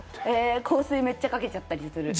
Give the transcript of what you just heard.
香水をめっちゃかけちゃったりする。